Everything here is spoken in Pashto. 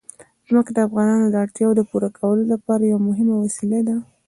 ځمکه د افغانانو د اړتیاوو د پوره کولو یوه مهمه وسیله ده.